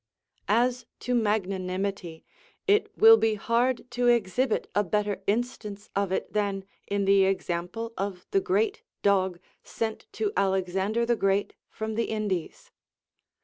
As to magnanimity, it will be hard to exhibit a better instance of it than in the example of the great dog sent to Alexander the Great from the Indies.